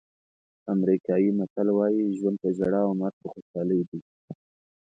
امریکایي متل وایي ژوند په ژړا او مرګ په خوشحالۍ دی.